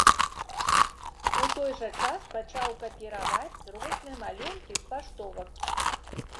У той жа час пачаў капіраваць розныя малюнкі з паштовак.